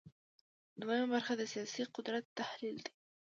دویمه برخه د سیاسي قدرت تحلیل دی.